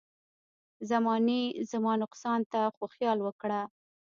زمانې زما نقصان ته خو خیال وکړه.